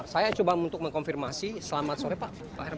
saya coba untuk mengkonfirmasi selamat sore pak herman